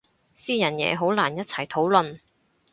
私人嘢好難一齊討論